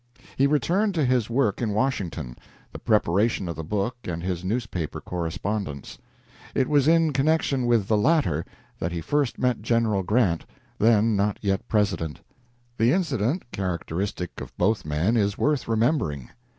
He returned to his work in Washington the preparation of the book and his newspaper correspondence. It was in connection with the latter that he first met General Grant, then not yet President. The incident, characteristic of both men, is worth remembering.